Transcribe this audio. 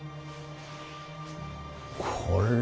これは。